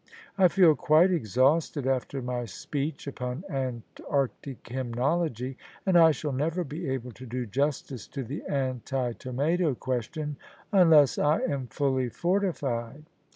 I feel quite exhausted after my speech upon Antarctic Hsminology: and I shall never be able to do justice to the Anti Tomato question unless I am fully fortified."